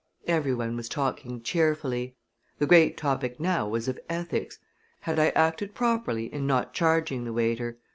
Every one was talking cheerfully. The great topic now was one of ethics: Had I acted properly in not charging the waiter?